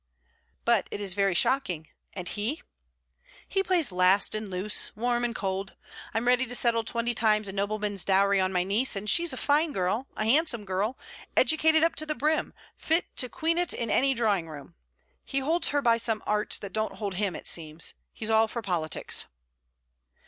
'But it is very shocking. And he?' 'He plays last and loose, warm and cold. I'm ready to settle twenty times a nobleman's dowry on my niece and she's a fine girl, a handsome girl, educated up to the brim, fit to queen it in any drawing room. He holds her by some arts that don't hold him, it seems. He's all for politics.'